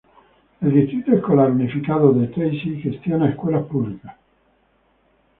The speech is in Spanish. El Distrito Escolar Unificado de Tracy gestiona escuelas públicas.